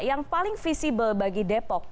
yang paling visible bagi depok